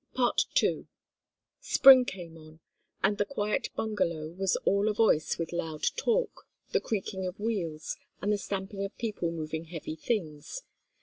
II Spring came on, and the quiet bungalow was all a voice with loud talk, the creaking of wheels, and the stamping of people moving heavy things.